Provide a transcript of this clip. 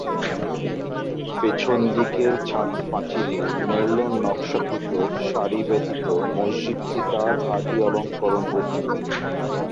পেছন দিকের ছাদ-পাঁচিলে মেরলোন নকশাকৃত সারি ব্যতীত মসজিদটি তার আদি অলংঙ্করণ বর্জিত।